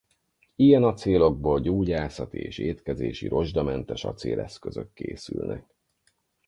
Ilyen acélokból gyógyászati és étkezési rozsdamentes acél eszközök készülnek.